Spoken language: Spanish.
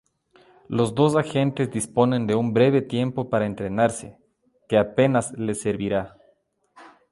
Los dos agentes disponen de un breve tiempo para entrenarse, que apenas les servirá.